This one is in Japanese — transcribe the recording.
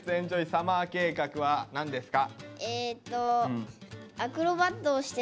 サマー計画」は何ですか？